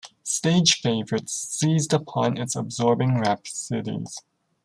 Stage favorites seized upon its absorbing rhapsodies.